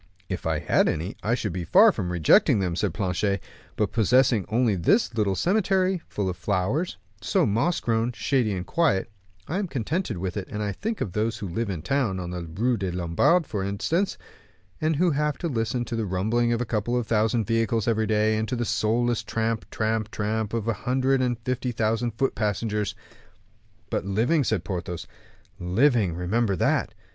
"If I had any, I should be far from rejecting them," said Planchet; "but possessing only this little cemetery, full of flowers, so moss grown, shady, and quiet, I am contented with it, and I think of those who live in town, in the Rue des Lombards, for instance, and who have to listen to the rumbling of a couple of thousand vehicles every day, and to the soulless tramp, tramp, tramp of a hundred and fifty thousand foot passengers." "But living," said Porthos; "living, remember that."